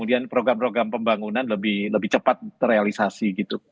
dan program program pembangunan lebih cepat terrealisasi gitu